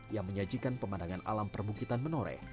yang menyajikan pemandangan alam perbukitan menoreh